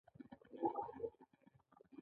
د دې ذرو موقعیت په اتوم کې چیرته وي